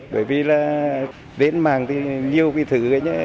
bởi vì là tên mạng thì nhiều cái thứ